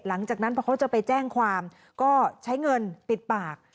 หลังจากนั้นพอเขาจะไปแจ้งความก็ใช้เงินปิดปาก